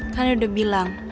kan udah bilang